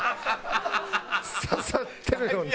刺さってるよね。